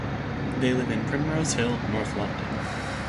They live in Primrose Hill, North London.